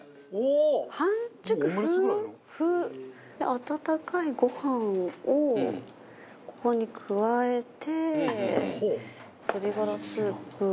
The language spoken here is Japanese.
温かいご飯をここに加えて鶏がらスープ。